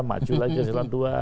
maju lagi ke selan dua